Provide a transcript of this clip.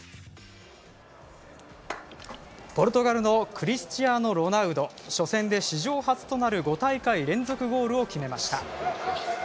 ポルトガルのクリスチアーノロナウド初戦で史上初となる５大会連続ゴールを決めました。